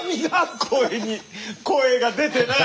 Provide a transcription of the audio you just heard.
声に声が出てない！